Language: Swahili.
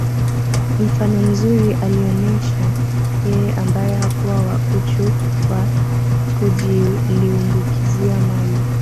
Mfano mzuri alionesha yeye ambae hakuwa na uchu wa kujiliumbikizia mali